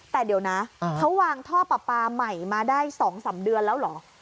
แต่เดี๋ยวนะเขาวางท่อปลาปลาใหม่มาได้๒๓เดือนแล้วเหรอ